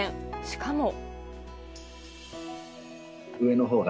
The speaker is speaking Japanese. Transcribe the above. しかも。